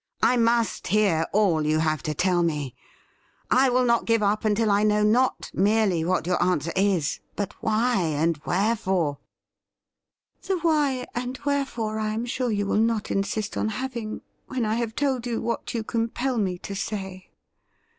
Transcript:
I must hear all you have to tell me. I will not give up until I know not merely what your answer is, but why and wherefore.' 'I COULD HAVE LOVED YOU' 101 ' The why and wherefore I am sure you will not insist on having when I have told you what you compel me to say.